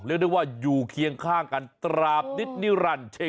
เรียกได้ว่าอยู่เคียงข้างกันตราบนิดนิรันดิ์